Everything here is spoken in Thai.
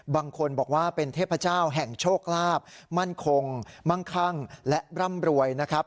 บางคนบอกว่าเป็นเทพเจ้าแห่งโชคลาภมั่นคงมั่งคั่งและร่ำรวยนะครับ